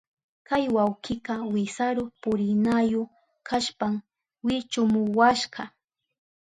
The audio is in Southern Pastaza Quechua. Kay wawkika wisaru purinayu kashpan wichumuwashka.